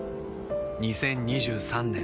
２０２３年